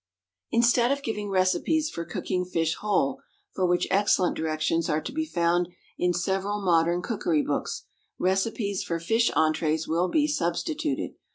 Instead of giving recipes for cooking fish whole, for which excellent directions are to be found in several modern cookery books, recipes for fish entrées will be substituted.